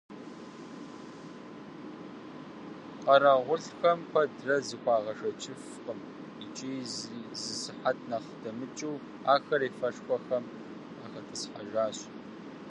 Къэрэгъулхэм куэдрэ зыхуагъэшэчыфакъым икӀи, зы сыхьэт нэхъ дэмыкӀыу, ахэри ефэ-ешхэхэм къахэтӀысхьэжащ.